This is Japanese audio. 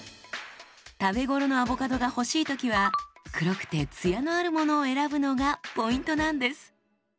食べ頃のアボカドが欲しい時は黒くてツヤのあるものを選ぶのがポイントなんです。